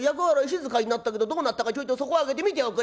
静かになったけどどうなったかちょいとそこ開けて見ておくれ」。